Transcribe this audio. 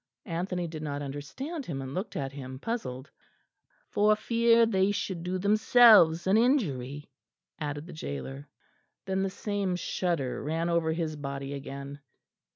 Anthony did not understand him, and looked at him, puzzled. "For fear they should do themselves an injury," added the gaoler. Then the same shudder ran over his body again.